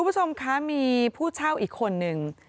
คุณผู้ชมคะมีผู้เช่าอีกคนนึง